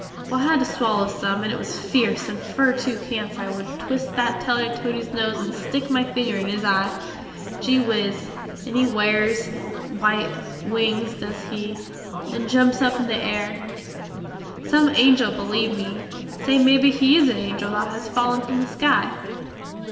Well I had to swaller some and it was feerce and fer too cents I wood twist that teller Teddy's nose and stick my finger in his eye. Gee whiz, and he wares white wings dose he, and jumps up in the air. Some angel beleeve me, say mebbe he is a angel that has fallen from the sky?